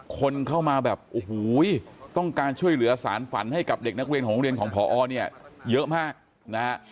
คนเข้ามาแบบโอ้โหต้องการช่วยเหลือสารฝันให้กับเด็กนักเรียนของโรงเรียนของพอเนี่ยเยอะมากนะฮะ